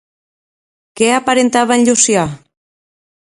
Què aparentava en Llucià?